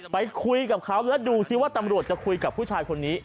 ไปคุยกับเขาแล้วดูซิว่าตำรวจจะคุยกับผู้ชายคนนี้